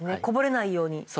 こぼれないように。